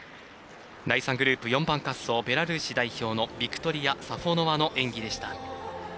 第３グループ、４番滑走ベラルーシ代表のビクトリア・サフォノワの演技でした。